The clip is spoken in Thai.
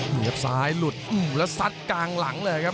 นี่ครับซ้ายหลุดแล้วซัดกลางหลังเลยครับ